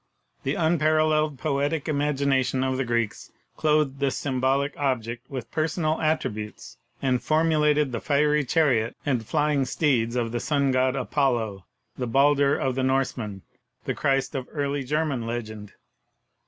The unparalleled poetic imagination of the Greeks clothed this symbolic object with personal attri butes, and formulated the fiery chariot and flying steeds of the Sun God Apollo, the Baldur of the Norsemen, the Christ of early German legend.